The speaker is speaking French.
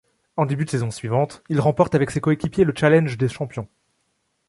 En début de saison suivante, il remporte avec ses coéquipiers le Challenge des champions.